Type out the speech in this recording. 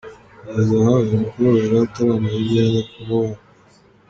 Kugeza aha uyu mukobwa yari ataramenya ibyenda kumubaho.